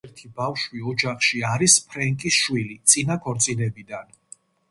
ერთადერთი ბავშვი ოჯახში არის ფრენკის შვილი წინა ქორწინებიდან.